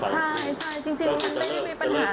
เพราะว่าหัวความปลอดภัย